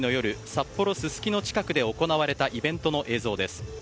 札幌すすきの近くで行われたイベントの映像です。